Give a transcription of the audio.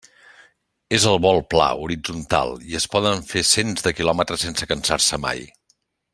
És el vol pla, horitzontal, i es poden fer cents de quilòmetres sense cansar-se mai.